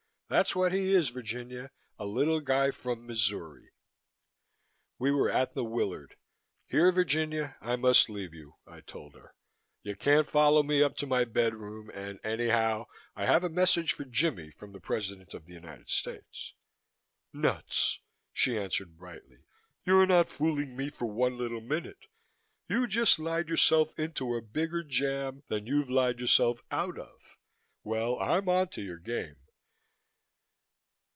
That's what he is, Virginia, a little guy from Missouri." We were at the Willard. "Here, Virginia, I must leave you," I told her. "You can't follow me up to my bedroom and anyhow I have a message for Jimmie from the President of the United States." "Nuts!" she answered brightly. "You're not fooling me for one little minute. You've just lied yourself into a bigger jam than you've lied yourself out of. Well, I'm on to your game."